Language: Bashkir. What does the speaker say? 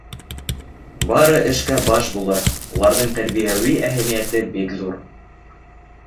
Бары эшкә баш булыр, Уларҙың тәрбиәүи әһәмиәте бик ҙур.